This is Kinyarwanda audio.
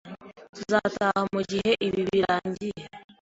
Tuzataha mugihe ibi birangiye.